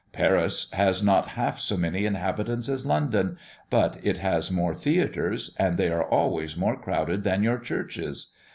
Paris has not half so many inhabitants as London; but it has more theatres, and they are always more crowded than your churches.